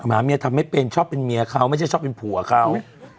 หมาเมียทำไม่เป็นชอบเป็นเมียเขาไม่ใช่ชอบเป็นผัวเขา